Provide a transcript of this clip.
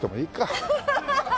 アハハハ！